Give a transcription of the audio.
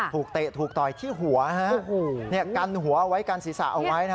ถูกเตะถูกตอยที่หัวฮะกันหัวไว้ใกันศีรษะเอาไว้